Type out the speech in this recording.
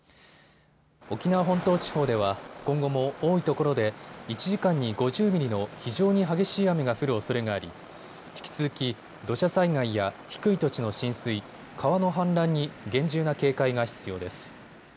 沖縄本島地方では今後も多い所で１時間に５０ミリの非常に激しい雨が降るおそれがあり引き続き土砂災害や低い土地の浸水、川の氾濫に厳重な警戒が必要です。